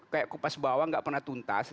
kayak kupas bawang enggak pernah tuntas